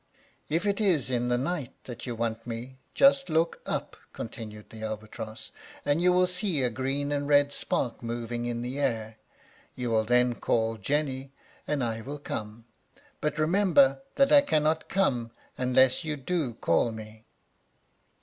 "If it is in the night that you want me, just look up," continued the albatross, "and you will see a green and a red spark moving in the air; you will then call Jenny, and I will come; but remember that I cannot come unless you do call me."